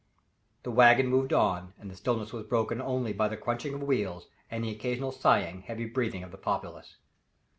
The wagon moved on, and the stillness was broken only by the crunching of the wheels and the occasional sighing, heavy breathing of the populace.